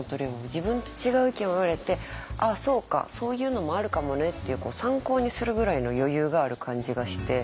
自分と違う意見を言われて「ああそうか。そういうのもあるかもね」っていう参考にするぐらいの余裕がある感じがして。